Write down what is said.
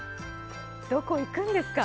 どこ行くんですか？